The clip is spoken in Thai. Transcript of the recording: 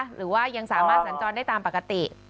หรือว่ายังสามารถสัญจรได้ตามปกติ